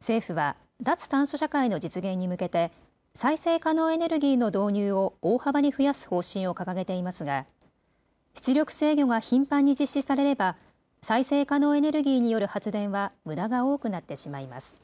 政府は脱炭素社会の実現に向けて再生可能エネルギーの導入を大幅に増やす方針を掲げていますが出力制御が頻繁に実施されれば再生可能エネルギーによる発電はむだが多くなってしまいます。